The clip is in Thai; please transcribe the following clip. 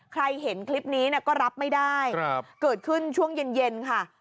ใครเห็นคลิปนี้เนี้ยก็รับไม่ได้ครับเกิดขึ้นช่วงเย็นเย็นค่ะ